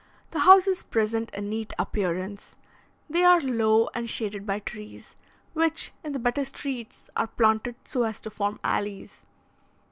The houses present a neat appearance; they are low, and shaded by trees, which, in the better streets, are planted so as to form alleys.